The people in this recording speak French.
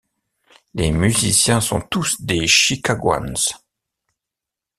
Les musiciens sont tous des Chicagoans.